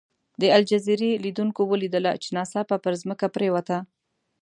د الجزیرې لیدونکو ولیدله چې ناڅاپه پر ځمکه پرېوته.